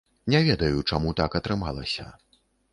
Не ведаю, чаму так атрымалася.